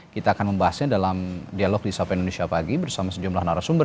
kita akan membahasnya dalam dialog di sapa indonesia pagi bersama sejumlah narasumber